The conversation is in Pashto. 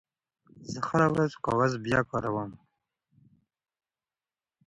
زه هره ورځ کاغذ بیاکاروم.